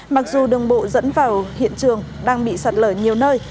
mặc dù đường bộ dẫn vào hiện trường đang bị sạt lở nhiều nơi